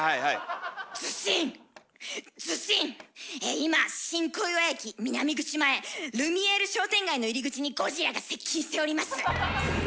今新小岩駅南口前ルミエール商店街の入り口にゴジラが接近しております」。